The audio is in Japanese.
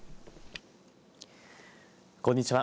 こんにちは。